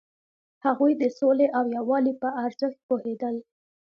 هغوی د سولې او یووالي په ارزښت پوهیدل.